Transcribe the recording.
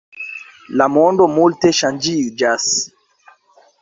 La mondo multe ŝanĝiĝas.